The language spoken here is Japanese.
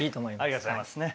ありがとうございます。